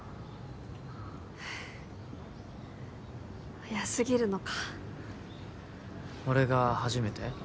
早すぎるのか俺が初めて？